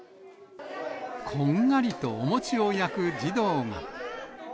こんがりとお餅を焼く児童が。